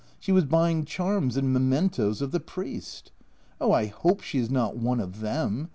She was buying charms and mementoes of the priest ! Oh, I hope she is not one of them